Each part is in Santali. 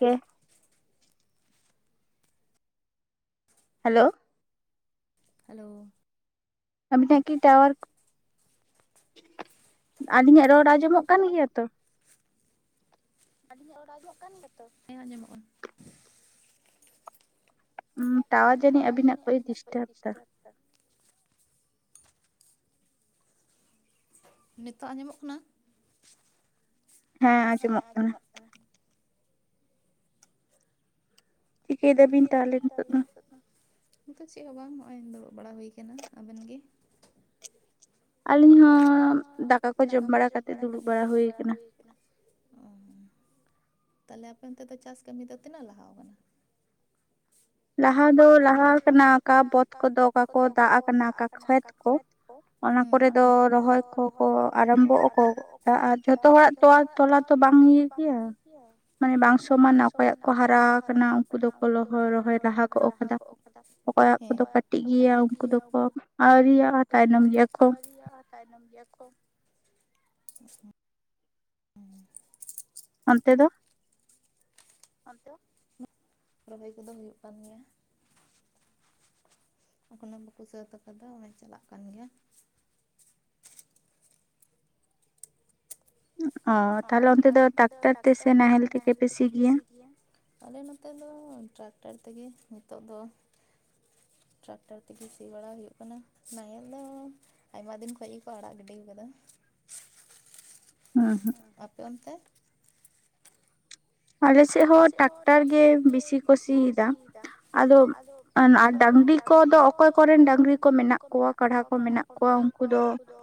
ᱜᱮ ᱦᱮᱞᱳ ᱦᱮᱞᱳ ᱟᱵᱤᱱᱟᱜ ᱠᱤ ᱴᱟᱣᱟᱨ [inaudible] ᱟᱹᱞᱤᱧᱟᱜ ᱨᱚᱲ ᱟᱸᱡᱚᱢᱚᱜ ᱠᱟᱱ ᱜᱮᱭᱟ ᱛᱚ? ᱟᱹᱞᱤᱧᱟᱜ ᱨᱚᱲ ᱟᱸᱡᱚᱢ ᱠᱟᱱ ᱜᱮᱭᱟ ᱛᱚ, ᱦᱮᱸ ᱟᱸᱡᱚᱢᱚᱜ ᱠᱟᱱᱟ ᱾ ᱴᱟᱣᱟᱨ ᱡᱟᱹᱱᱤᱡ ᱟᱵᱤᱱᱟᱜ ᱠᱟᱹᱭ ᱮ ᱰᱤᱥᱴᱟᱵ ᱫᱟ ᱾ ᱱᱤᱛᱚᱜ ᱟᱸᱡᱚᱢᱚᱜ ᱠᱟᱱᱟ? ᱦᱮᱸ ᱟᱸᱡᱚᱢᱚᱜ ᱠᱟᱱᱟ ᱾ ᱪᱮᱠᱟᱭ ᱫᱟᱵᱤᱱ ᱛᱟᱦᱚᱞᱮ ᱱᱤᱛᱚᱜ ᱫᱚ, ᱱᱤᱛᱚᱜ ᱪᱮᱫ ᱦᱚᱸ ᱵᱟᱝ ᱱᱚᱜᱼᱚᱭ ᱫᱩᱲᱩᱵ ᱵᱟᱲᱟ ᱦᱩᱭ ᱟᱠᱟᱱᱟ᱾ ᱟᱵᱮᱱ ᱜᱮ? ᱟᱹᱞᱤᱧ ᱦᱚᱸ ᱫᱟᱠᱟ ᱠᱚ ᱡᱚᱢ ᱵᱟᱲᱟ ᱠᱟᱛᱮᱫ ᱫᱩᱲᱩᱵ ᱵᱟᱲᱟ ᱦᱩᱭ ᱠᱟᱱᱟ ᱾ ᱚ ᱛᱟᱦᱚᱞᱮ ᱟᱯᱮ ᱚᱱᱛᱮ ᱫᱚ ᱪᱟᱥ ᱠᱟᱹᱢᱤ ᱫᱚ ᱛᱤᱱᱟᱹᱜ ᱞᱟᱦᱟᱣ ᱟᱠᱟᱱᱟ? ᱞᱟᱦᱟ ᱫᱚ ᱞᱟᱦᱟ ᱠᱟᱱᱟ ᱠᱟ ᱵᱟᱹᱫ ᱠᱚᱫᱚ, ᱚᱠᱟ ᱠᱚ ᱫᱟᱜ ᱟᱠᱟᱱᱟ, ᱚᱠᱟ ᱠᱷᱮᱛ ᱠᱚ ᱚᱱᱟ ᱠᱚᱨᱮ ᱫᱚ ᱨᱚᱦᱚᱭ ᱠᱚᱠᱚ ᱟᱨᱟᱢᱵᱷᱚᱜ ᱟᱠᱚ ᱟᱨ ᱡᱷᱚᱛᱚ ᱦᱚᱲᱟᱜ ᱛᱚᱣᱟ ᱛᱚᱞᱟ ᱛᱚ ᱵᱟᱝ ᱤᱭᱟᱹ ᱜᱮᱭᱟ ᱾ ᱢᱟᱱᱮ ᱵᱟᱝ ᱥᱚᱢᱟᱱᱟ, ᱚᱠᱚᱭᱟᱜ ᱠᱚ ᱦᱟᱨᱟ ᱟᱠᱟᱱᱟ ᱩᱱᱠᱩ ᱫᱚᱠᱚ ᱞᱚᱦᱚ ᱨᱚᱦᱚᱭ ᱞᱟᱦᱟ ᱠᱚᱜ ᱚᱠᱚᱭᱟᱜ ᱠᱚᱫᱚ ᱠᱟᱹᱴᱤᱡ ᱜᱮᱭᱟ, ᱩᱱᱠᱩ ᱫᱚᱠᱚ ᱟᱹᱣᱨᱤᱭᱟ ᱛᱚ ᱠᱚ ᱟᱹᱣᱨᱤᱭᱟ ᱛᱟᱭᱱᱚᱢ ᱜᱮᱭᱟ ᱠᱚ ᱾ ᱚᱱᱛᱮ ᱫᱚ? ᱟᱫᱚ [inaudible] ᱨᱚᱦᱚᱭ ᱠᱚᱫᱚ ᱦᱩᱭᱩᱜ ᱠᱟᱱ ᱜᱮᱭᱟ ᱾ ᱮᱠᱷᱚᱱᱳ ᱵᱟᱠᱚ ᱥᱟᱹᱛ ᱠᱟᱫᱟ, ᱪᱟᱞᱟᱜ ᱠᱟᱱ ᱜᱮᱭᱟ ᱾ ᱚ ᱛᱟᱦᱚᱞᱮ ᱚᱱᱛᱮ ᱫᱚ ᱴᱟᱠᱴᱟᱨ ᱛᱮ ᱥᱮ ᱱᱟᱦᱮᱞ ᱛᱮᱜᱮ ᱯᱮ ᱥᱤ ᱜᱮᱭᱟ? ᱟᱞᱮ ᱱᱚᱛᱮ ᱫᱚ ᱴᱨᱟᱠᱴᱟᱨ ᱛᱮᱜᱮ ᱱᱤᱛᱚᱜ ᱫᱚ ᱾ ᱴᱨᱟᱠᱴᱟᱨ ᱛᱮᱜᱮ ᱥᱤ ᱵᱟᱲᱟ ᱦᱩᱭᱩᱜ ᱠᱟᱱᱟ᱾ ᱱᱟᱦᱮᱞ ᱫᱚ ᱟᱭᱢᱟ ᱫᱤᱱ ᱠᱷᱚᱡᱽ ᱜᱮᱠᱚ ᱟᱲᱟᱜ ᱜᱤᱰᱤ ᱟᱠᱟᱫᱟ ᱾ ᱦᱩᱸ ᱾ ᱟᱯᱮ ᱚᱱᱛᱮ ᱟᱞᱮ ᱥᱮᱫ ᱦᱚᱸ ᱴᱨᱟᱠᱴᱟᱨ ᱜᱮ ᱵᱮᱥᱤ ᱠᱚ ᱥᱤᱭ ᱫᱟ ᱾ ᱟᱫᱚ ᱟᱱ ᱰᱟᱹᱝᱨᱤ ᱠᱚᱫᱚ ᱚᱠᱚᱭ ᱠᱚᱨᱮᱱ ᱰᱟᱹᱝᱨᱤ ᱠᱚ ᱢᱮᱱᱟᱜ ᱠᱚᱣᱟ, ᱠᱟᱸᱰᱟ ᱠᱚ ᱢᱮᱱᱟᱜ ᱠᱚᱣᱟ ᱩᱱᱠᱩ ᱫᱚ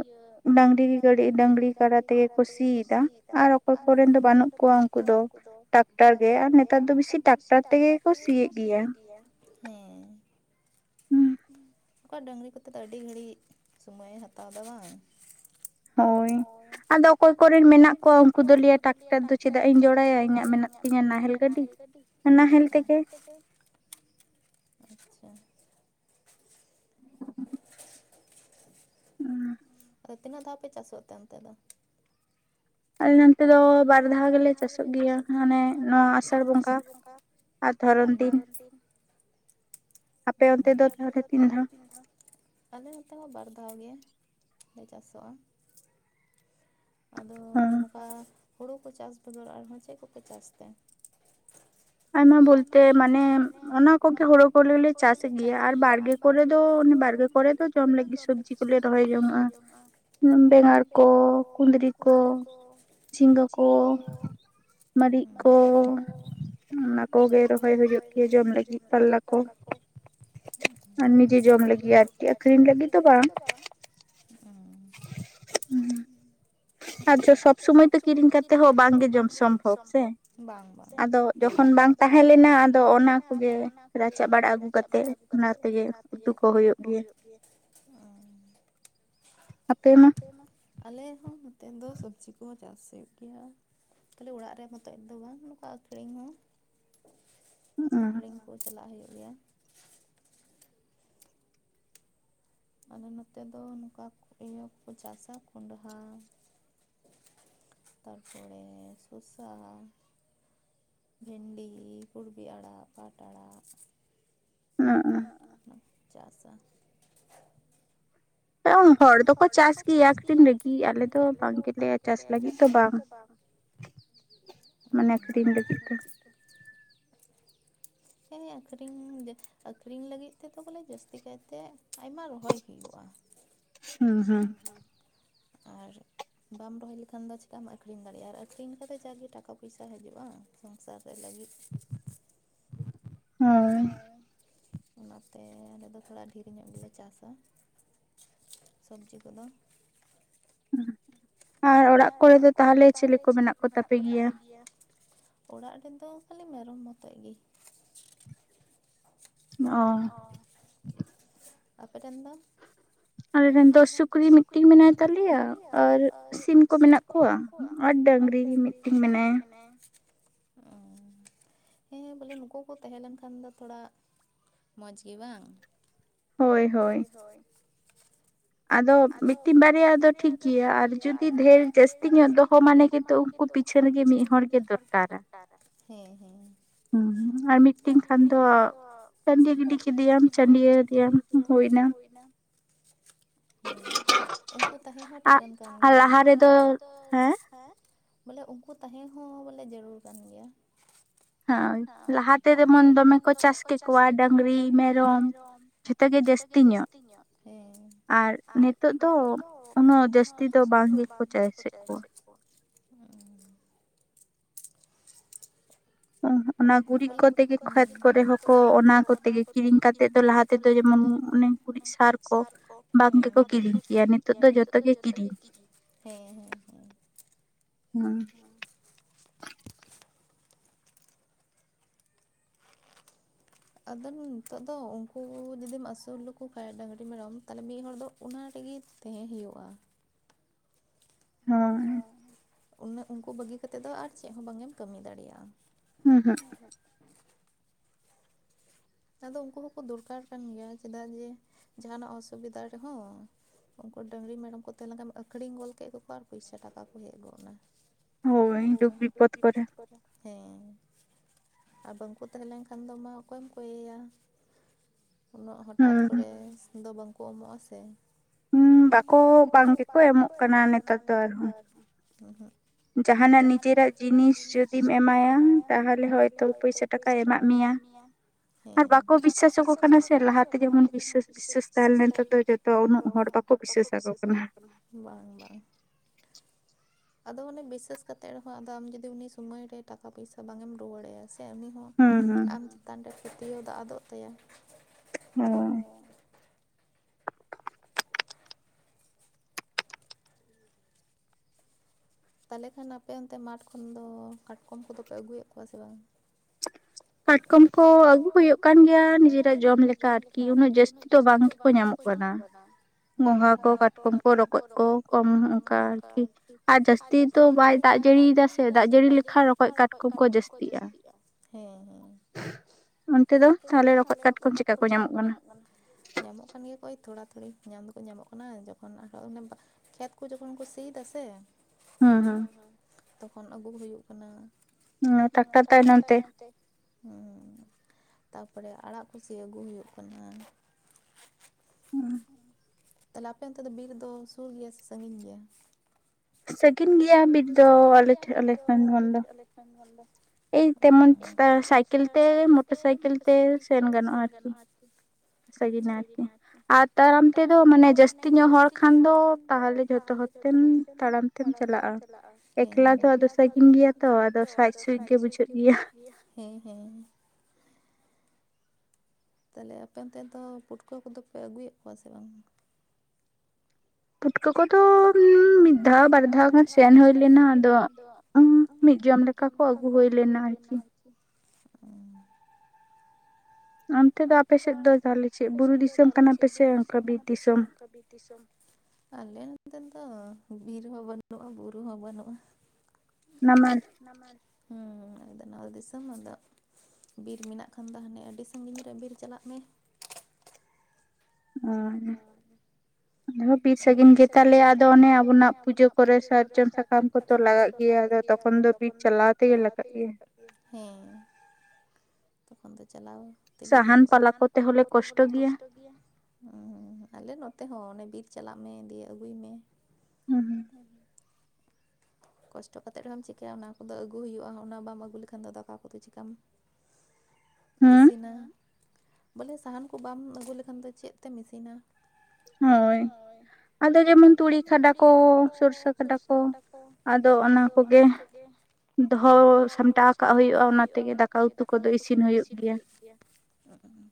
ᱤᱭᱟᱹ ᱰᱟᱹᱝᱨᱤ ᱜᱟᱰᱤ ᱰᱟᱹᱝᱨᱤ ᱠᱟᱸᱰᱟ ᱛᱮᱜᱮ ᱠᱚ ᱥᱤᱭ ᱮᱫᱟ ᱟᱨ ᱚᱠᱚᱭ ᱠᱚᱨᱮᱱ ᱫᱚ ᱵᱟᱹᱱᱩᱜ ᱠᱚᱣᱟ ᱩᱱᱠᱩ ᱫᱚ ᱴᱟᱠᱴᱟᱨ ᱜᱮ ᱟᱨ ᱱᱮᱛᱟᱨ ᱫᱚ ᱵᱤᱥᱤ ᱴᱟᱠ ᱴᱟᱨ ᱛᱮᱜᱮ ᱠᱚ ᱥᱤᱭᱮᱫ ᱜᱮᱭᱟ ᱦᱮᱸᱻ ᱚᱠᱟ ᱰᱟᱹᱝᱨᱤ ᱠᱚᱛᱮ ᱫᱚ ᱟᱹᱰᱤ ᱜᱷᱟᱹᱲᱤᱡ ᱥᱚᱢᱚᱭᱮ ᱦᱟᱛᱟᱣ ᱮᱫᱟ ᱵᱟᱝ? ᱦᱳᱭ ᱟᱫᱚ ᱚᱠᱚᱭ ᱠᱚᱨᱮᱱ ᱢᱮᱱᱟᱜ ᱠᱚᱣᱟ ᱩᱱᱠᱩ ᱫᱚ ᱞᱟᱹᱭᱟ ᱴᱟᱠ ᱴᱟᱨ ᱪᱮᱫᱟᱜ ᱤᱧ ᱡᱚᱲᱟᱭᱟ ᱤᱧᱟᱹᱜ ᱢᱮᱱᱟᱜ ᱛᱤᱧᱟᱹ ᱱᱟᱦᱮᱞ ᱜᱟᱹᱰᱤ ᱠᱷᱟᱱ ᱱᱟᱦᱮᱞ ᱛᱮᱜᱮ ᱟᱪᱷᱟ᱾ [unintelligible] ᱟᱫᱚ ᱛᱤᱱᱟᱹᱜ ᱫᱷᱟᱣ ᱯᱮ ᱪᱟᱥᱚᱜ ᱛᱮ ᱚᱱᱛᱮ ᱫᱚ? ᱟᱞᱮ ᱱᱚᱱᱛᱮ ᱫᱚ ᱵᱟᱨ ᱫᱷᱟᱣ ᱜᱮᱞᱮ ᱪᱟᱥᱚᱜ ᱜᱮᱭᱟ ᱢᱟᱱᱮ ᱱᱚᱣᱟ ᱟᱥᱟᱲ ᱵᱚᱸᱜᱟ ᱟᱨ ᱫᱷᱚᱨᱚᱱ ᱫᱤᱱ ᱟᱯᱮ ᱚᱱᱛᱮ ᱫᱚ ᱫᱷᱟ ᱨᱮ ᱛᱤᱱ ᱫᱷᱟᱣ? ᱟᱞᱮ ᱱᱚᱛᱮ ᱦᱚᱸ ᱵᱟᱨ ᱫᱷᱟᱣ ᱜᱮ ᱞᱮ ᱪᱟᱥᱚᱜᱼᱟ᱾ ᱟᱫᱚ ᱱᱚᱝᱼᱠᱟ ᱦᱩᱲᱩ ᱠᱚ ᱪᱟᱥ ᱵᱮᱜᱚᱨ ᱟᱨᱦᱚᱸ ᱪᱮᱜᱽ ᱠᱚᱯᱮ ᱪᱟᱥ ᱛᱮ? ᱟᱭᱢᱟ ᱵᱚᱞᱛᱮ ᱢᱟᱱᱮ ᱚᱱᱟ ᱠᱚᱜᱮ ᱦᱩᱲᱩ ᱠᱚᱞᱮᱞᱮ ᱪᱟᱥ ᱮᱜ ᱜᱮᱭᱟ ᱟᱨ ᱵᱟᱲᱜᱮ ᱠᱚᱨᱮ ᱫᱚ ᱵᱟᱲᱜᱮ ᱠᱚᱨᱮ ᱫᱚ ᱡᱚᱢ ᱞᱟᱹᱜᱤᱫ ᱥᱚᱵᱽᱡᱤ ᱠᱚᱞᱮ ᱨᱚᱦᱚᱭ ᱡᱚᱝᱚᱜᱼᱟ᱾ ᱵᱮᱸᱜᱟᱲ ᱠᱚ ᱠᱩᱸᱫᱽᱨᱤ ᱠᱚ ᱡᱷᱤᱸᱜᱟᱹ ᱠᱚ, ᱢᱟᱹᱨᱤᱡᱽ ᱠᱚ, ᱚᱱᱟ ᱠᱚᱜᱮ ᱨᱚᱦᱚᱭ ᱦᱩᱭᱩᱜ ᱜᱮ ᱡᱚᱢ ᱞᱟᱹᱜᱤᱫ ᱯᱟᱨᱞᱟ ᱠᱚ [unintelligible] ᱡᱚᱢ ᱞᱟᱹᱜᱤᱫ ᱟᱠᱷᱨᱤᱧ ᱟᱹᱠᱷᱨᱤᱧ ᱞᱟᱹᱜᱤᱫ ᱫᱚ ᱵᱟᱝ ᱦᱩᱢᱸ ᱟᱪᱪᱷᱟ ᱥᱚᱵ ᱥᱚᱢᱚᱭ ᱛᱚ ᱠᱤᱨᱤᱧ ᱠᱟᱛᱮ ᱦᱚᱸ ᱵᱟᱝᱜᱮ ᱡᱚᱢ ᱥᱚᱢᱵᱷᱚᱵ ᱵᱟᱝ ᱵᱟᱝᱼᱼ ᱦᱮ ᱟᱫᱚ ᱡᱚᱠᱷᱚᱱ ᱵᱟᱝ ᱛᱟᱦᱮᱸ ᱞᱮᱱᱟ ᱟᱫᱚ ᱚᱱᱟ ᱠᱚᱜᱮ ᱨᱟᱪᱟᱜ ᱵᱟᱲᱟ ᱟᱹᱜᱩ ᱠᱟᱛᱮᱜᱼᱼ ᱟᱯᱮ ᱩᱛᱩ ᱠᱚ ᱦᱩᱭᱩᱜ ᱜᱮᱭᱟ ᱟᱯᱮ ᱢᱟ? ᱟᱞᱮ ᱦᱚᱸᱚᱸ ᱱᱚᱛᱮ ᱫᱚ ᱥᱚᱵᱽᱡᱤ ᱠᱚᱦᱚᱸ ᱪᱟᱥ ᱦᱩᱭᱩᱜ ᱜᱮᱭᱟ᱾ ᱠᱷᱟᱹᱞᱤ ᱚᱲᱟᱜ ᱨᱮ ᱢᱚᱛᱚᱡ ᱫᱚ ᱵᱟᱝ ᱱᱚᱝᱠᱟ ᱟᱹᱷᱨᱤᱧ ᱦᱚᱸ᱾ ᱟᱹᱠᱷᱨᱤᱧ ᱠᱚ ᱪᱟᱞᱟᱜ ᱦᱩᱭᱩᱜ ᱜᱮᱭᱟ᱾ ᱟᱞᱮ ᱱᱚᱛᱮ ᱫᱚ ᱱᱚᱝᱠᱟ ᱤᱭᱟᱹᱠᱚ ᱠᱚ ᱪᱟᱥ-ᱟ ᱠᱚᱸᱰᱦᱟ᱾ ᱛᱟᱨᱯᱚᱨᱮ ᱥᱚᱥᱟ, ᱵᱷᱮᱱᱰᱤ ᱠᱩᱲᱫᱤ ᱟᱲᱟᱜ ᱯᱟᱴ ᱟᱲᱟᱜᱼᱼ [unintelligible] [unintelligible] ᱪᱟᱥᱟ ᱦᱚᱲ ᱫᱚᱠᱚ ᱪᱟᱥ ᱜᱮᱭᱟ ᱮᱠᱫᱤᱱ ᱞᱟᱹᱜᱤᱫ ᱟᱞᱮ ᱫᱚ ᱵᱟᱝ ᱜᱤᱞᱤ ᱪᱟᱥ ᱞᱟᱹᱜᱤᱫ ᱫᱚ ᱵᱟᱝᱼᱼ ᱢᱟᱱᱮ ᱟᱹᱠᱷᱨᱤᱧ ᱞᱟᱹᱜᱤᱫ ᱛᱮᱼᱼ ᱦᱮ ᱟᱹᱠᱷᱨᱤᱧ ᱜᱮ ᱟᱹᱠᱷᱨᱤᱧ ᱞᱟᱹᱜᱤᱫ ᱛᱮᱫᱚ ᱵᱚᱞᱮ ᱡᱟᱹᱥᱛᱤ ᱠᱟᱭᱛᱮᱼᱼ ᱟᱭᱢᱟ ᱨᱚᱦᱚᱭ ᱦᱩᱭᱩᱜᱼᱟ᱾ ᱦᱩᱸ, ᱦᱩᱸ ᱟᱨᱼᱼ ᱵᱟᱢ ᱨᱚᱦᱚᱭ ᱞᱮᱠᱷᱟᱱ ᱫᱚ ᱪᱤᱠᱟᱢ ᱟᱹ ᱟᱹᱠᱷᱨᱤᱧ ᱫᱟᱲᱮᱭᱟᱜᱼᱟ ᱟᱨ ᱟᱹᱷᱨᱤᱧ ᱠᱟᱛᱮ ᱡᱟᱜᱮ ᱴᱟᱠᱟ ᱯᱚᱭᱥᱟ ᱦᱤᱡᱩᱜᱼᱟ᱾ ᱥᱚᱝᱼᱥᱟᱨ ᱨᱮ ᱞᱟᱹᱜᱤᱫ ᱦᱳᱭᱸ ᱚᱱᱟᱛᱮ ᱟᱞᱮᱚ ᱛᱷᱚᱲᱟ ᱰᱷᱮᱨᱧᱚᱜ ᱜᱮᱞᱮ ᱪᱟᱥᱟ ᱥᱚᱵᱽᱡᱤ ᱠᱚᱫᱚ᱾ ᱟᱨ ᱚᱲᱟᱜ ᱠᱚᱨᱮ ᱫᱚ ᱛᱟᱦᱚᱞᱮ ᱪᱤᱞᱮ ᱠᱚ ᱢᱮᱱᱟᱜ ᱠᱚᱛᱟᱯᱮ ᱜᱮᱭᱟ? ᱚᱲᱟᱜ ᱨᱮᱫᱚ ᱠᱷᱟᱹᱞᱤ ᱢᱮᱨᱚᱢ ᱢᱚᱛᱤᱜ ᱜᱮ, [inaudible] ᱚᱻ ᱚᱻ ᱟᱯᱮ ᱴᱷᱮᱱ ᱫᱚ᱾ ᱟᱞᱮ ᱨᱮᱱ ᱫᱚ ᱥᱩᱠᱨᱤ ᱢᱤᱜᱴᱤᱜ ᱢᱮᱱᱟᱭ ᱛᱟᱞᱮᱭᱟ ᱟᱨ ᱥᱤᱢ ᱠᱚ ᱢᱮᱱᱟᱜ᱾ ᱠᱚᱣᱟ ᱟᱨ ᱰᱟᱹᱝᱨᱤ ᱢᱤᱜᱴᱤᱱ ᱢᱮᱱᱟᱭᱟ᱾ ᱩ ᱦᱮᱸ ᱵᱚᱞᱮ ᱱᱩᱠᱩ ᱠᱚ ᱛᱟᱸᱦᱮ ᱞᱮᱱ ᱠᱷᱟᱱ ᱫᱚ ᱛᱷᱚᱲᱟ᱾ ᱢᱚᱡᱽ ᱜᱤ ᱵᱟᱝ᱾ ᱦᱳᱭ ᱦᱳᱭ᱾ ᱦᱚᱭ᱾ ᱟᱫᱚ ᱢᱤᱜᱴᱤᱱ ᱵᱟᱨᱭᱟ ᱫᱚ ᱴᱷᱤᱠ ᱜᱮᱭᱟ ᱟᱨ ᱡᱩᱫᱤ ᱰᱷᱮᱨ ᱡᱟᱹᱥᱛᱤ ᱧᱚᱜ ᱫᱚᱦᱚ ᱢᱟᱱᱮ᱾ ᱠᱤᱱᱛᱩ ᱩᱱᱠᱩ ᱯᱤᱪᱷᱟᱹ ᱨᱮᱜᱤ ᱢᱤᱜ ᱦᱚᱲ ᱜᱮ ᱫᱚᱨᱠᱟᱨᱟ ᱦᱮᱸ ᱦᱮᱸ᱾ ᱦᱩᱸ ᱦᱩᱸ᱾ ᱟᱨ ᱢᱤᱜᱴᱤᱱ ᱠᱷᱟᱱ ᱫᱚ ᱪᱟᱹᱰᱤᱭᱟᱹ ᱜᱤᱰᱤ ᱠᱮᱫᱮᱭᱟᱢ ᱪᱟᱹᱰᱭᱟᱹ ᱫᱮᱭᱟᱢ ᱦᱳᱭᱱᱟ᱾ ᱦᱩᱸ ᱩᱱᱠᱩ ᱛᱟᱸᱦᱮ ᱦᱚᱸ ᱴᱷᱤᱠᱟᱹᱱ ᱠᱟᱱ ᱜᱮᱭᱟ ᱟ ᱟᱨ ᱞᱟᱦᱟ ᱨᱮᱫᱚ ᱦᱮᱸ᱾ ᱵᱚᱞᱮ ᱩᱱᱠᱩ ᱛᱟᱸᱦᱮ ᱦᱚᱸ ᱵᱚᱞᱮ ᱡᱟᱹᱨᱩᱲ ᱠᱟᱱ ᱜᱮᱭᱟ᱾ ᱦᱳᱭ ᱞᱟᱦᱟᱛᱮ ᱡᱮᱢᱚᱱ ᱫᱚᱢᱮ ᱠᱚ ᱪᱟᱥ ᱠᱮᱠᱚᱣᱟ ᱰᱟᱹᱝᱨᱤ ᱢᱮᱨᱚᱢ᱾ ᱡᱷᱚᱛᱚ ᱜᱮ ᱡᱟᱹᱥᱛᱤ ᱧᱚᱜ ᱦᱮᱸ᱾ ᱟᱨ ᱱᱤᱛᱚᱜ ᱫᱚ ᱩᱱᱟᱹᱜ ᱡᱟᱹᱥᱛᱤ ᱫᱚ ᱵᱟᱝ ᱜᱮᱠᱚ ᱪᱟᱥᱮᱜ ᱠᱚᱣᱟ᱾ ᱚᱱᱟ ᱜᱩᱨᱤᱡ ᱠᱚᱛᱮ ᱜᱮ ᱠᱷᱚᱛ ᱠᱚᱨᱮ ᱦᱚᱸᱠᱚ ᱚᱱᱟ ᱠᱚᱛᱮ ᱜᱮ ᱠᱤᱨᱤᱧ ᱠᱟᱛᱮ ᱫᱚ ᱞᱟᱦᱟ ᱛᱮᱫᱚ ᱡᱮᱢᱚᱱ᱾ ᱚᱱᱮ ᱜᱩᱨᱤᱡ ᱥᱟᱨ ᱠᱚ ᱵᱟᱝ ᱜᱮᱠᱚ ᱠᱤᱨᱤᱧ ᱠᱮᱭᱟ ᱱᱤᱛᱚᱜ ᱫᱚ ᱡᱷᱚᱛᱚ ᱜᱮ ᱠᱤᱨᱤᱧ ᱦᱮᱸ ᱦᱮᱸ ᱦᱮᱸ᱾ ᱦᱩᱸ᱾ ᱟᱫᱚ ᱱᱤᱛᱳᱜ ᱫᱚ ᱦᱩᱜᱩᱱᱠᱩ ᱡᱩᱫᱤᱢ ᱟᱹᱥᱩᱞ ᱞᱮᱠᱚ ᱠᱷᱟᱭ ᱰᱟᱝᱨᱤ ᱢᱮᱨᱚᱢ᱾ ᱛᱟᱦᱞᱮ ᱢᱤᱜ ᱦᱚᱲ ᱫᱚ ᱚᱱᱟ ᱨᱮᱜᱤ ᱛᱟᱸᱦᱮ ᱦᱩᱭᱩᱜᱼᱟ᱾ ᱦᱚᱸ᱾ ᱦᱚᱸ ᱩᱱᱟᱹᱜ ᱩᱱᱠᱩ ᱵᱟᱹᱜᱤ ᱠᱟᱛᱮ ᱫᱚ ᱟᱨ ᱪᱮᱜ ᱦᱚᱸ ᱵᱟᱝᱮᱢ ᱠᱟᱹᱢᱤ ᱫᱟᱲᱤᱭᱟᱜ-ᱟ᱾ ᱩᱸ ᱦᱩᱸᱜ᱾ ᱟᱫᱚ ᱩᱱᱠᱩ ᱦᱚᱸᱠᱚ ᱫᱚᱨᱠᱟᱨ ᱠᱟᱱ ᱜᱮᱭᱟ ᱪᱮᱫᱟᱜ ᱡᱮ ᱡᱟᱦᱟᱱᱟᱜ ᱚᱥᱩᱵᱤᱫᱷᱟ ᱨᱮᱦᱚᱸ ᱩᱱᱠᱩ ᱰᱟᱹᱝᱨᱤ ᱢᱮᱨᱚᱢ ᱠᱚ ᱛᱟᱸᱦᱮ ᱞᱮᱱ ᱠᱷᱟᱱ ᱟᱠᱷᱨᱤᱧ ᱜᱚᱞ ᱠᱮᱜ ᱠᱚᱣᱟ ᱟᱨ ᱯᱚᱭᱥᱟ ᱴᱟᱠᱟ ᱠᱚ ᱦᱮᱡ ᱜᱚᱜᱱᱟ᱾ ᱦᱳᱭ ᱫᱩᱠᱷ ᱵᱤᱯᱚᱛ ᱠᱚᱨᱮ᱾ ᱦᱮᱸ ᱟᱨ ᱵᱟᱝ ᱠᱩ ᱛᱟᱸᱦᱮ ᱞᱮᱱᱠᱷᱟᱱ ᱫᱚ ᱢᱟ ᱚᱠᱚᱭᱮᱢ ᱠᱚᱭᱮᱭᱟ ᱩᱱᱟᱹᱜ ᱦᱚᱴᱟᱛ ᱠᱚᱨᱮ ᱫᱚ ᱵᱟᱝᱠᱚ ᱮᱢᱚᱜ-ᱟ ᱥᱮ᱾ ᱩᱸ ᱵᱟᱠᱚ ᱵᱟᱝ ᱜᱮᱠᱚ ᱮᱢᱚᱜ ᱠᱟᱱᱟ ᱱᱮᱛᱟᱨ ᱫᱚ ᱟᱨᱦᱚᱸ ᱩᱸ ᱦᱩᱸᱜ᱾ ᱡᱟᱸᱦᱟᱱᱟᱜ ᱱᱤᱡᱮᱨᱟᱜ ᱡᱤᱱᱤᱥ ᱡᱩᱫᱤᱢ ᱮᱢᱟᱭᱟ ᱛᱟᱦᱚᱞᱮ ᱦᱚᱭᱛᱳ ᱯᱩᱭᱥᱟᱹ ᱴᱟᱠᱟᱭ ᱮᱢᱟᱜ ᱢᱮᱭᱟ᱾ ᱦᱮᱸ ᱟᱨ ᱵᱟᱠᱚ ᱵᱤᱥᱥᱟᱹᱥ ᱟᱠᱚ ᱠᱟᱱᱟ ᱥᱮ ᱞᱟᱦᱟᱛᱮ ᱡᱮᱢᱚᱱ ᱵᱤᱥᱥᱟᱹᱥ ᱴᱤᱥᱥᱟᱹᱥ ᱛᱟᱸᱦᱮ ᱞᱮᱱᱟ ᱱᱮᱛᱟᱨ ᱫᱚ ᱡᱷᱚᱛᱚ ᱩᱱᱟᱹᱜ ᱦᱚᱲ ᱵᱟᱠᱚ ᱵᱤᱥᱥᱟᱹᱥ ᱟᱠᱚ ᱠᱟᱱᱟ ᱵᱟᱝ ᱵᱟᱝ᱾ ᱟᱫᱚ ᱚᱱᱮ ᱵᱤᱥᱥᱟᱹᱥ ᱠᱟᱛᱮᱜ ᱨᱮᱦᱚᱸ ᱟᱢ ᱡᱚᱫᱤ ᱩᱱᱤ ᱥᱳᱢᱳᱭ ᱨᱮ ᱴᱟᱠᱟ ᱯᱚᱭᱥᱟ ᱵᱟᱝ ᱮᱢ ᱨᱩᱣᱟᱹᱲ ᱟᱭᱟ ᱥᱮ ᱩᱱᱤ᱾ ᱦᱚᱸ ᱟᱢ ᱪᱮᱛᱟᱱ ᱨᱮ ᱯᱟᱹᱛᱭᱟᱹᱣ ᱫᱚ ᱟᱫᱚᱜ ᱛᱟᱭᱟ᱾ ᱦᱳᱭ᱾ [inaudible] ᱛᱟᱦᱞᱮ ᱠᱷᱟᱱ ᱟᱯᱮ ᱚᱱᱛᱮ ᱢᱟᱴᱷ ᱠᱷᱚᱱ ᱫᱚ ᱠᱟᱴᱠᱚᱢ ᱠᱚᱫᱚ ᱯᱮ ᱟᱹᱜᱩᱭᱮᱜ ᱠᱚᱣᱟ ᱥᱮ ᱵᱟᱝ? ᱠᱟᱴᱠᱚᱢ ᱠᱚ ᱟᱹᱜᱩ ᱦᱳᱭᱳᱜ ᱠᱟᱱ ᱜᱮᱭᱟ ᱱᱤᱡᱮᱨᱟᱜ ᱡᱚᱢ ᱞᱮᱠᱟ ᱟᱨᱠᱤ ᱩᱱᱟᱹᱜ ᱡᱟᱹᱥᱛᱤ ᱫᱚ ᱵᱟᱝ᱾ ᱠᱚ ᱧᱟᱢᱚᱜ ᱠᱟᱱᱟ ᱜᱚᱸᱜᱷᱟ ᱠᱚ ᱠᱟᱴᱠᱚᱢ ᱠᱚ ᱨᱚᱠᱚᱡ ᱠᱚ ᱠᱚᱢ ᱚᱱᱠᱟ ᱟᱨᱠᱤ ᱟᱨ ᱡᱟᱥᱛᱤ ᱫᱚ ᱵᱟᱭ ᱫᱟᱜ ᱡᱟᱹᱲᱤᱭᱮᱫᱟ ᱥᱮ ᱫᱟᱜ ᱡᱟᱹᱲᱤ ᱞᱮᱠᱷᱟᱡ ᱨᱚᱠᱚᱡ ᱠᱟᱴᱠᱚᱢ ᱠᱚ ᱡᱟᱹᱥᱛᱤᱜ-ᱟ ᱦᱮᱸ ᱦᱮᱸ᱾ ᱚᱱᱛᱮ ᱫᱚ ᱛᱟᱦᱞᱮ ᱨᱚᱠᱚᱡ ᱠᱟᱴᱠᱚᱢ ᱪᱮᱠᱟ ᱠᱚ ᱧᱟᱢᱚᱜ? ᱧᱟᱢᱚᱜ ᱠᱟᱱ ᱜᱮᱭᱟᱠᱚ ᱳᱭ ᱛᱷᱚᱲᱟ ᱛᱷᱩᱲᱤ ᱧᱟᱢ ᱫᱚᱠᱚ ᱧᱟᱢᱚᱜ ᱠᱟᱱᱟ ᱡᱚᱠᱷᱚᱱ ᱟᱨᱦᱚᱸ ᱚᱱᱮ ᱠᱷᱮᱛ ᱠᱚ ᱡᱚᱠᱷᱚᱱ ᱠᱚ ᱥᱤᱭᱫᱟ ᱥᱮ ᱦᱮᱸ ᱦᱮᱸ᱾ ᱛᱚᱠᱷᱚᱱ ᱟᱹᱜᱩ ᱦᱩᱭᱩᱜ ᱠᱟᱱᱟ᱾ᱚᱱᱟ ᱴᱟᱠᱴᱟᱨ ᱛᱟᱭᱱᱚᱢ ᱛᱮ᱾ ᱦᱩᱸ᱾ ᱛᱟᱯᱚᱨᱮ ᱟᱲᱟᱜ ᱠᱩ ᱥᱤᱜ ᱟᱹᱜᱩ ᱦᱩᱭᱩᱜ ᱠᱟᱱᱟ᱾ ᱚ᱾ ᱛᱟᱦᱞᱮ ᱟᱯᱮ ᱚᱱᱛᱮ ᱫᱚ ᱵᱤᱨ ᱫᱚ ᱥᱩᱨ ᱜᱮᱭᱟ ᱥᱮ ᱥᱟᱺᱜᱤᱧ ᱜᱮᱭᱟ? ᱥᱟᱹᱜᱤᱧ ᱜᱮᱭᱟ ᱵᱤᱨ ᱫᱚ ᱟᱞᱮ ᱴᱷᱮᱡ ᱟᱞᱮ ᱴᱷᱮᱱ ᱠᱷᱚᱱ ᱫᱚ᱾ [unintelligible] ᱚ ᱚ᱾ ᱮᱭᱵ ᱛᱮᱢᱚᱱ ᱠᱤᱪᱷᱩᱴᱟ ᱥᱟᱭᱠᱮᱞ ᱛᱮ ᱢᱚᱴᱚᱨ ᱥᱟᱭᱠᱮᱞ ᱛᱮ ᱥᱮᱱ ᱜᱟᱱᱚᱜᱼᱟ ᱟᱨᱠᱤ᱾ ᱟᱪᱪᱦᱟ᱾ ᱥᱟᱺᱜᱤᱧᱟ ᱟᱨᱠᱤ ᱟᱨ ᱛᱟᱲᱟᱢ ᱛᱮᱫᱚ ᱢᱟᱱᱮ ᱡᱟᱹᱥᱛᱤ ᱧᱚᱜ ᱦᱚᱲ ᱠᱷᱟᱱ ᱫᱚ ᱛᱟᱦᱚᱞᱮ ᱡᱷᱚᱛᱚ ᱦᱚᱲ ᱛᱮᱢ ᱛᱟᱲᱟᱢ ᱛᱮᱢ ᱪᱟᱞᱟᱜᱼᱟ᱾ ᱦᱮᱸᱦᱮᱸ᱾ ᱮᱠᱞᱟ ᱫᱚ ᱟᱫᱚ ᱥᱟᱹᱜᱤᱧ ᱜᱮᱭᱟ ᱛᱚ᱾ᱟᱫᱚ ᱥᱟᱸᱡ-ᱥᱩᱸᱡ ᱜᱮ ᱵᱩᱡᱷᱟᱹᱜ ᱜᱮᱭᱟ᱾ ᱦᱮᱸ ᱦᱮᱸ᱾ ᱛᱟᱦᱞᱮ ᱟᱯᱮ ᱚᱱᱛᱮ ᱫᱚ ᱯᱩᱴᱠᱟᱹ ᱠᱚᱫᱚ ᱯᱮ ᱟᱹᱜᱩᱭᱮᱫ ᱠᱚᱣᱟ ᱥᱮ ᱵᱟᱝ? ᱯᱩᱴᱠᱟᱹ ᱠᱚᱫᱚ ᱢᱤᱫ ᱫᱷᱟᱣ ᱵᱟᱨ ᱫᱷᱟᱣ ᱜᱟᱱ ᱥᱮᱱ ᱦᱩᱭ ᱞᱮᱱᱟ ᱟᱫᱚ ᱩᱸᱢ ᱢᱤᱫ ᱡᱚᱢ ᱞᱮᱠᱟ ᱠᱚ ᱟᱹᱜᱩ ᱦᱩᱭ ᱞᱮᱱᱟ ᱟᱨᱠᱤ ᱚᱱᱛᱮ ᱫᱚ ᱟᱯᱮ ᱥᱮᱫ ᱫᱚ ᱛᱟᱦᱚᱞᱮ ᱪᱮᱫ ᱵᱩᱨᱩ ᱫᱤᱥᱚᱢ ᱠᱟᱱᱟ ᱯᱮ ᱥᱮ ᱚᱝᱠᱟ ᱵᱤᱨ ᱫᱤᱥᱚᱢ? ᱟᱞᱮ ᱱᱚᱱᱛᱮ ᱫᱚ ᱵᱤᱨ ᱦᱚᱸ ᱵᱟᱹᱱᱩᱜᱼᱟ ᱵᱩᱨᱩ ᱦᱚᱸ ᱵᱟᱹᱱᱩᱜᱼᱟ᱾ ᱦᱩᱸ᱾ ᱱᱟᱢᱟᱞ᱾ ᱦᱩᱸ ᱦᱩᱸ ᱟᱞᱮ ᱫᱚ ᱱᱟᱢᱟᱞ ᱫᱤᱥᱚᱢ ᱟᱫᱚ ᱵᱤᱨ ᱢᱮᱱᱟᱜ ᱠᱷᱟᱱ ᱫᱚ ᱦᱟᱱᱮ ᱟᱹᱰᱤ ᱥᱟ ᱥᱟᱺᱜᱤᱧ ᱨᱮ ᱵᱤᱨ ᱪᱟᱞᱟᱜ ᱢᱮ᱾ ᱚ᱾ ᱚ ᱵᱤᱨ ᱥᱟᱺᱜᱤᱧ ᱜᱮᱛᱟ ᱞᱮᱭᱟ ᱟᱫᱚ ᱚᱱᱮ ᱟᱵᱚᱱᱟᱜ ᱯᱩᱡᱟᱹ ᱠᱚᱨᱮ ᱥᱟᱨᱡᱚᱢ ᱥᱟᱠᱟᱢ ᱠᱚᱛᱚ ᱞᱟᱜᱟᱜ ᱜᱮᱭᱟ ᱟᱫᱚ ᱛᱚᱠᱷᱚᱱ ᱫᱚ ᱵᱤᱨ ᱪᱟᱞᱟᱣ ᱛᱮᱜᱮ ᱞᱟᱜᱟᱜ ᱜᱮᱭᱟ᱾ ᱦᱮᱸ᱾ ᱛᱚᱠᱷᱚᱱ ᱫᱚ ᱪᱟᱞᱟᱣ ᱛᱮᱜᱮ ᱦᱩᱭᱩᱜᱼᱟ᱾ ᱥᱟᱦᱟᱱ ᱯᱟᱞᱟ ᱠᱚᱛᱮ ᱦᱚᱸᱞᱮ ᱠᱚᱥᱴᱚ ᱜᱮᱭᱟ᱾ ᱦᱮᱸ ᱦᱮᱸ ᱦᱮᱸ ᱟᱞᱮ ᱱᱚᱛᱮ ᱦᱚᱸ ᱚᱱᱮ ᱵᱤᱨ ᱪᱟᱞᱟᱜ ᱢᱮ ᱫᱤᱭᱮ ᱟᱹᱜᱩᱭ ᱢᱮ᱾ ᱦᱮᱸᱦᱮᱸ᱾ ᱠᱚᱥᱴᱚ ᱠᱟᱛᱮᱜ ᱨᱮᱦᱚᱢ ᱪᱤᱠᱟᱹᱭᱟ ᱚᱱᱟ ᱠᱚᱫᱚ ᱟᱹᱜᱩ ᱦᱩᱭᱩᱜᱼᱟ ᱚᱱᱟ ᱵᱟᱢ ᱟᱹᱜᱩ ᱞᱮᱠᱷᱟᱱ ᱫᱚ ᱫᱟᱠᱟ ᱠᱚᱫᱚ ᱪᱮᱠᱟᱢ ᱤᱥᱤᱱᱟ᱾ ᱵᱚᱞᱮ ᱥᱟᱦᱟᱱ ᱠᱚ ᱵᱟᱢ ᱟᱹᱜᱩ ᱞᱮᱠᱷᱟᱱ ᱫᱚ ᱪᱮᱫ ᱛᱮᱢ ᱤᱥᱤᱱᱟ? ᱦᱳᱭ ᱟᱫᱚ ᱡᱮᱢᱚᱱ ᱛᱩᱲᱤ ᱠᱷᱰᱟ ᱠᱚ ᱥᱚᱨᱥᱟ ᱠᱷᱟᱰᱟ᱾ ᱠᱚ ᱟᱫᱚ ᱚᱱᱟ ᱠᱚᱜᱮ᱾ ᱫᱚᱦᱚ ᱥᱟᱢᱴᱟᱣ ᱠᱟᱜ ᱦᱩᱭᱩᱜᱼᱟ ᱚᱱᱟ ᱛᱮᱜᱮ ᱫᱟᱠᱟ ᱩᱛᱩ ᱠᱚᱫᱚ ᱤᱥᱤᱱ ᱦᱩᱭᱩᱜ ᱜᱮᱭᱟ᱾ [unintelligible]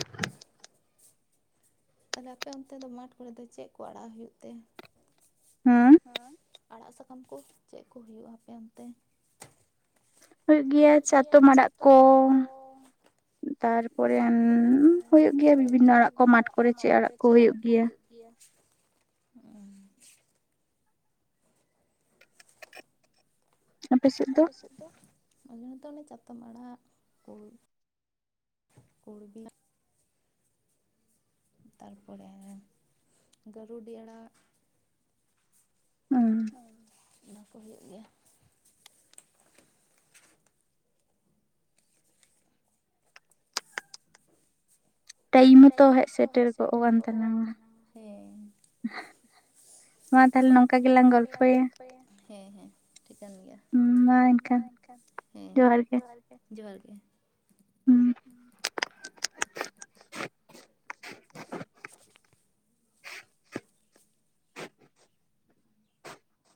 [inaudible] ᱛᱟᱦᱞᱮ ᱟᱯᱮ ᱚᱱᱛᱮ ᱫᱚ ᱢᱟᱴᱷ ᱠᱚᱨᱮ ᱫᱚ ᱪᱮᱫ ᱠᱚ ᱟᱲᱟᱜ ᱦᱩᱭᱩᱜ ᱛᱮ? ᱦᱮᱸ ᱟᱲᱟᱜ ᱥᱟᱠᱟᱢ ᱠᱚ ᱪᱮᱫ ᱠᱚ ᱦᱩᱭᱩᱜᱼᱟ ᱦᱟᱯᱮ ᱚᱱᱛᱮ? ᱦᱩᱭᱩᱜ ᱜᱮᱭᱟ ᱪᱟᱛᱚᱢ ᱟᱲᱟᱜ ᱠᱚ᱾ ᱛᱟᱨᱯᱚᱨᱮ ᱦᱩᱸᱢ ᱦᱩᱭᱩᱜ ᱜᱮᱭᱟ ᱵᱤᱵᱷᱤᱱᱱᱚ ᱟᱲᱟᱜ ᱠᱚ, ᱢᱟᱴᱷ ᱠᱚᱨᱮ ᱪᱮᱫ ᱟᱲᱟᱜ ᱠᱚ ᱦᱩᱭᱩᱜ ᱜᱮᱭᱟ᱾ ᱟᱯᱮ ᱥᱮᱫ? ᱫᱚ ᱟᱞᱮ ᱱᱚᱛᱚ ᱚᱱᱮ ᱪᱟᱛᱚᱢ ᱟᱲᱟᱜ ᱠᱩᱲ [unintelligible] ᱛᱟᱨᱯᱚᱨᱮ ᱜᱟᱹᱨᱩᱰᱤ ᱟᱲᱟᱜ᱾ ᱟᱨ ᱚᱱᱟ ᱠᱚ ᱦᱩᱭᱩᱜ ᱜᱮᱭᱟ᱾ ᱴᱟᱭᱤᱢ ᱦᱚᱸ ᱛᱚ ᱦᱮᱡ ᱥᱮᱴᱮᱨ ᱠᱚᱜ ᱠᱟᱱ ᱛᱟᱞᱟᱝ-ᱟ᱾ ᱦᱮᱸ᱾ ᱢᱟ ᱛᱟᱦᱞᱮ ᱱᱚᱝᱠᱟ ᱜᱮᱞᱟᱝ ᱜᱚᱞᱯᱷᱚᱭᱟ᱾ ᱦᱮᱸ ᱦᱮᱸ ᱴᱷᱤᱠᱟᱹᱱ ᱜᱮᱭᱟ᱾ ᱢᱟ ᱮᱱᱠᱷᱟᱱ᱾ ᱡᱚᱸᱦᱟᱨ ᱜᱮ᱾ ᱡᱚᱸᱦᱟᱨ ᱜᱮ᱾ ᱡᱚᱸᱦᱟᱨ ᱜᱮ᱾